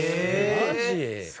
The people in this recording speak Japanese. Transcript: マジ？